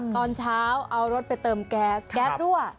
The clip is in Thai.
ตอนเช้าเอารถไปเติมแก๊สแก๊สรั่ว